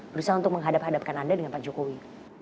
berusaha untuk menghadap hadapkan anda dengan pak jokowi